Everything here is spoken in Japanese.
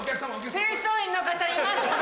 清掃員の方いますか！